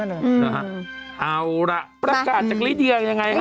เอาล่ะประกาศจากลิเดียยังไงฮะ